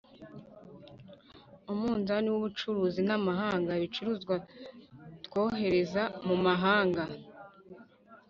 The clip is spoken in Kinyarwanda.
umunzani w'ubucuruzi n'amahanga ibicuruzwa twohereza mu mahanga